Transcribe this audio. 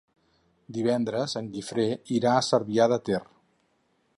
Divendres en Guifré irà a Cervià de Ter.